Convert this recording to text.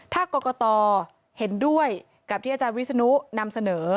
ถ้ากรกตเห็นด้วยกับที่อาจารย์วิศนุนำเสนอ